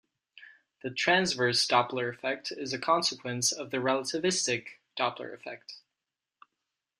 The transverse Doppler effect is a consequence of the relativistic Doppler effect.